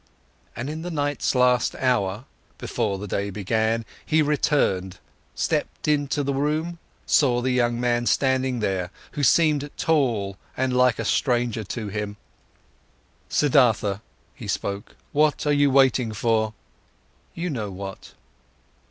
And in the night's last hour, before the day began, he returned, stepped into the room, saw the young man standing there, who seemed tall and like a stranger to him. "Siddhartha," he spoke, "what are you waiting for?" "You know what."